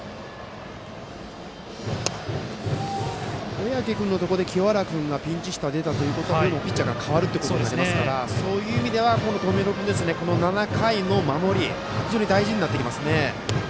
小宅君のところで清原君がピンチヒッターに出たということはピッチャーが代わるということなのでそういう意味では友廣君この７回の守り非常に大事になってきますね。